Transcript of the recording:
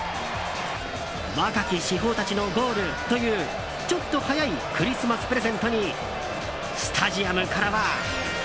若き至宝たちのゴールというちょっと早いクリスマスプレゼントにスタジアムからは。